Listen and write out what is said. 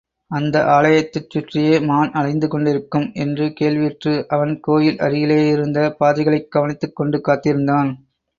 அந்த ஆலயத்தைச் சுற்றியே மான் அலைந்துகொண்டிருக்கும் என்று கேள்வியுற்று, அவன் கோயில் அருகிலேயிருந்த பாதைகளைக் கவனித்துக்கொண்டு காத்திருந்தான்.